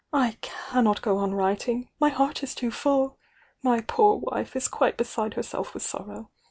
I cannot go on writing,— my heart is too full ! My poor wife IS quite beside herself with sorrow.